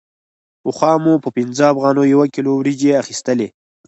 پخوا مو په پنځه افغانیو یو کیلو وریجې اخیستلې